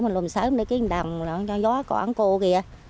mình lồn sớm để kiếm đồng cho gió còn cô kia